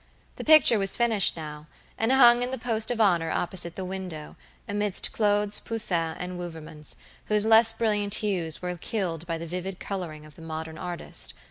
The picture was finished now, and hung in the post of honor opposite the window, amidst Claudes, Poussins and Wouvermans, whose less brilliant hues were killed by the vivid coloring of the modern artist.